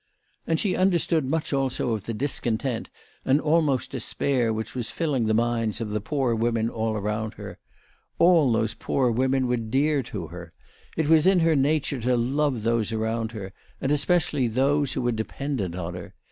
And she understood much also of the discontent and almost despair which was filling the minds of the poor women all around her. All those poor women were dear to her. It was in her nature to love those around her, and especially those who were dependent on her.